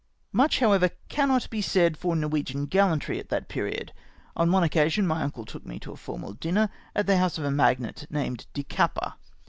Much, however, cannot be said for Norwegian gallantry at that period. On one occasion my uncle took me to a formal dimier at the house of a magnate named Da Capa.